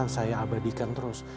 saya abadikan terus